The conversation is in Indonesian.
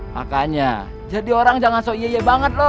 makanya jadi orang jangan sok iye ie banget lo